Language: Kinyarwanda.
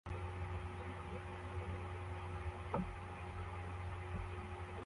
Umuhungu muto wambaye umwirabura